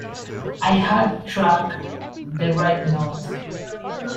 I had struck the right note.